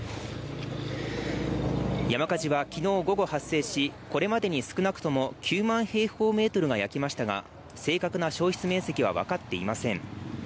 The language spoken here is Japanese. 山火事はきのう午後発生し、これまでに少なくとも９万平方メートルが焼けましたが、正確な焼失面積はわかっていません。